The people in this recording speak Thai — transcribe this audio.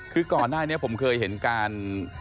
คือก่อนหน้านี้ผมเคยเห็นการ